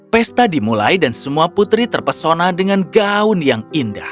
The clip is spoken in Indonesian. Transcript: pesta dimulai dan semua putri terpesona dengan gaun yang indah